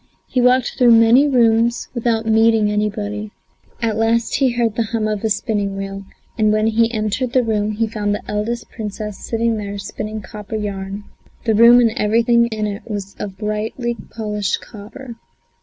He walked through many rooms without meeting anybody. At last he heard the hum of a spinning wheel, and when he entered the room he found the eldest Princess sitting there spinning copper yarn; the room and everything in it was of brightly polished copper.